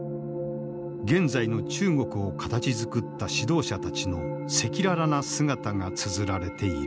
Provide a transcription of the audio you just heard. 現在の中国を形づくった指導者たちの赤裸々な姿がつづられている。